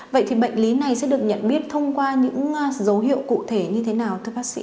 vậy thì bệnh lý này sẽ được nhận biết thông qua những dấu hiệu cụ thể như thế nào